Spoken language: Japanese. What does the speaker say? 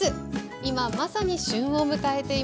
今まさに旬を迎えています。